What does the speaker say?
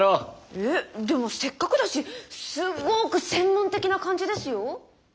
えっでもせっかくだしすっごく専門的な感じですよ。